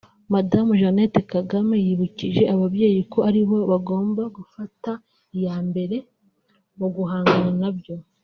Madamu Jeannette Kagame yibukije ababyeyi ko ari bo bagomba gufata iya mbere mu guhangana nabyo